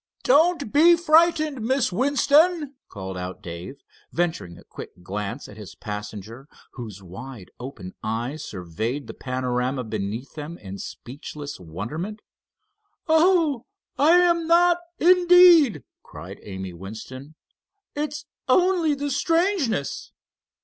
"Don't be frightened, Miss Winston," called out Dave, venturing a quick glance at his passenger, whose wide open eyes surveyed the panorama beneath them in speechless wonderment. "Oh, I am not, indeed," cried Amy Winston. "It is only the strangeness."